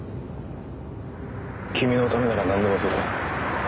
君のためならなんでもする。